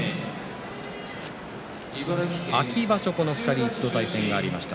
秋場所、この２人対戦がありました。